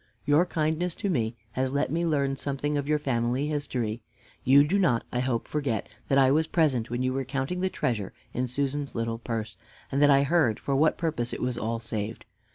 Your kindness to me has let me learn something of your family history. You do not, I hope, forget that I was present when you were counting the treasure in Susan's little purse, and that I heard for what purpose it was all saved.